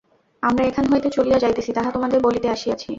আমরা এখান হইতে চলিয়া যাইতেছি, তাহা তোমাদের বলিতে আসিয়াছি।